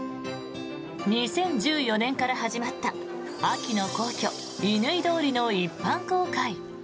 ２０１４年から始まった秋の皇居・乾通りの一般公開。